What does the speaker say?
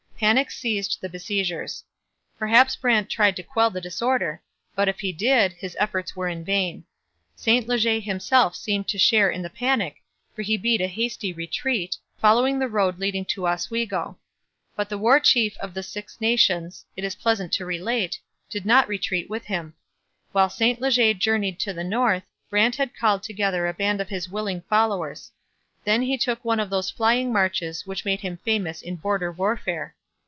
Panic seized the besiegers. Perhaps Brant tried to quell the disorder, but, if he did, his efforts were in vain. St Leger himself seemed to share in the panic, for he beat a hasty retreat, following the road leading to Oswego. But the War Chief of the Six Nations it is pleasant to relate did not retreat with him. While St Leger journeyed to the north, Brant had called together a band of his willing followers. Then he took one of those flying marches which made him famous in border warfare.